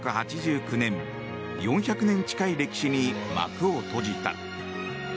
１９８９年４００年近い歴史に幕を閉じた。